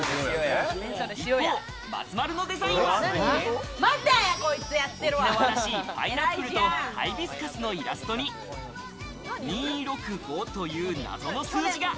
一方、松丸のデザインは、沖縄らしいパイナップルとハイビスカスのイラストに２６５という謎の数字が。